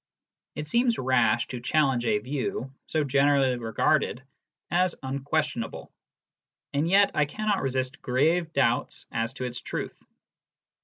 It seems rash to challenge a view so generally regarded as unquestionable, and yet I cannot resist grave doubts as to its truth.